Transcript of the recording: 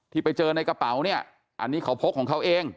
ที่ไปเจอในกระเป๋าเนี่ยอันนี้เขาพกของเขาเอง